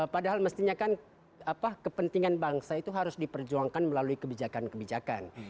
padahal mestinya kan kepentingan bangsa itu harus diperjuangkan melalui kebijakan kebijakan